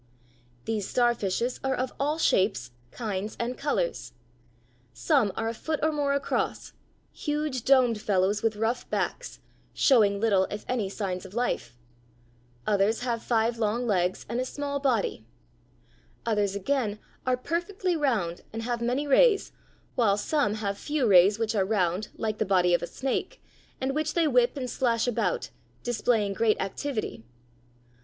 These starfishes are of all shapes, kinds, and colors. Some are a foot or more across, huge, domed fellows with rough backs, showing little if any signs of life (Fig. 48); others have five long legs and a small body (Fig. 49). Others, again, are perfectly round and have many rays, while some have few rays which are round, like the body of a snake, and which they whip and slash about, displaying great activity.